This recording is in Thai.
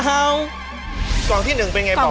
กล่องที่หนึ่งเป็นไงบอก